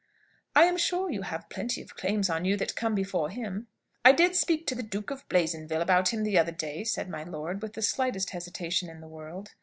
"I am sure you have plenty of claims on you that come before him." "I I did speak to the Duke of Blazonville about him the other day," said my lord, with the slightest hesitation in the world.